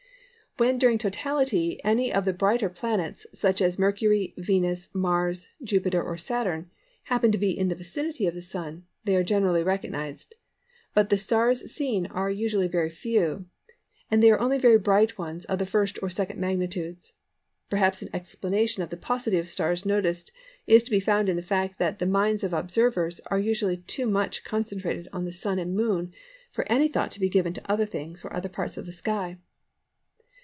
When during totality any of the brighter planets, such as Mercury, Venus, Mars, Jupiter, or Saturn, happen to be in the vicinity of the Sun they are generally recognised; but the stars seen are usually very few, and they are only very bright ones of the 1st or 2nd magnitudes. Perhaps an explanation of the paucity of stars noticed is to be found in the fact that the minds of observers are usually too much concentrated on the Sun and Moon for any thought to be given to other things or other parts of the sky.